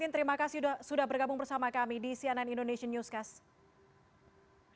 terima kasih sudah bergabung bersama kami di cnn indonesian newscast